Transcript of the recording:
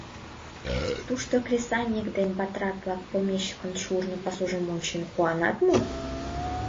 Тушто кресаньык ден батрак-влак помещикын шурно пасужым ончен куанат мо?